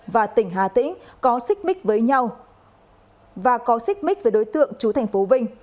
và tỉnh hà tĩnh có xích mích với nhau và có xích mích với đối tượng trú tp vinh